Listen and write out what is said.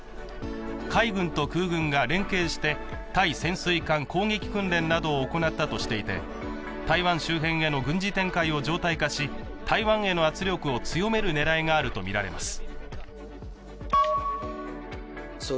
海軍と空軍が連携して対潜水艦攻撃訓練などを行ったとしていて台湾周辺への軍事演習を常態化し台湾への圧力を強める狙いがあるとみられます